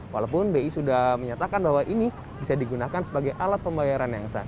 walaupun bi sudah menyatakan bahwa ini bisa digunakan sebagai alat pembayaran yang sah